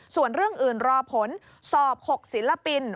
ส่วนเรื่องอื่นรอผลสอบ๖ศิลปิน